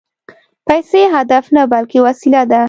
پیسې هدف نه، بلکې وسیله ده